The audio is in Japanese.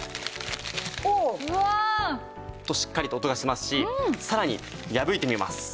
おお！としっかりと音がしますしさらに破いてみます。